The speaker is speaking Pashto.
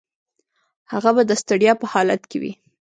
هغه به د ستړیا په حالت کې وي.